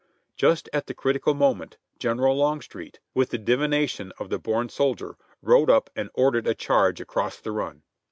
Just at the critical moment. General Longstreet, with the divination of the born soldier, rode up and ordered a charge across the run.